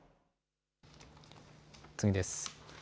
次です。